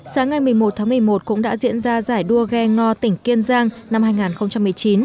sáng ngày một mươi một tháng một mươi một cũng đã diễn ra giải đua ghe ngò tỉnh kiên giang năm hai nghìn một mươi chín